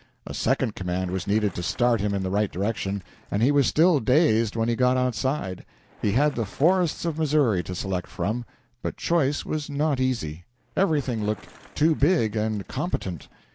A second command was needed to start him in the right direction, and he was still dazed when he got outside. He had the forests of Missouri to select from, but choice was not easy. Everything looked too big and competent.